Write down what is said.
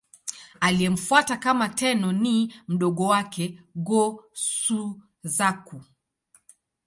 Aliyemfuata kama Tenno ni mdogo wake, Go-Suzaku.